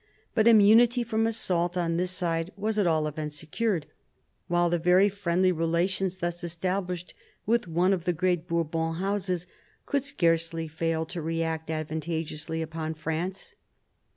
But immunity from assault on this side was at all events secured, while the very friendly relations thus established with one of the great Bourbon Houses could scarcely fail to react advantageously upon France.